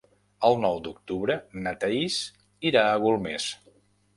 El nou d'octubre na Thaís irà a Golmés.